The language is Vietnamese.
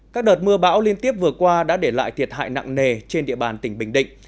các đợt mưa bão liên tiếp vừa qua đã để lại thiệt hại nặng nề trên địa bàn tỉnh bình định